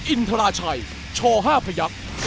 อินทราชัยช่อห้าพระยักษ์